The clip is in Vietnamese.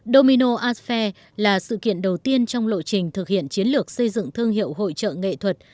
domino asfael là sự kiện đầu tiên trong lộ trình thực hiện chiến lược xây dựng thương hiệu hội trợ nghệ thuật